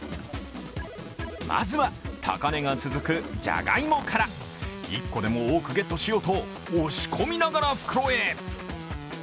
まずは、高値が続くじゃがいもから１個でも多くゲットしようと押し込みながら袋へ。